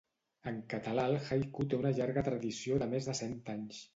En català el haiku té una llarga tradició de més de cent anys.